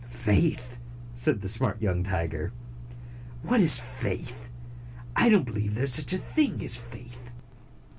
"Faith?" said the smart young tiger. "What' is faith? I don't believe there is such a thing as faith."